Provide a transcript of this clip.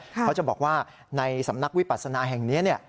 เขาจะบอกว่าในสำนักวิปัสนาแห่งนี้